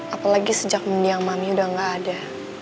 apalagi sejak mendingan mami udah gak ada